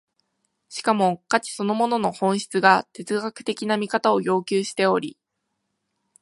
しかも価値そのものの本質が哲学的な見方を要求しており、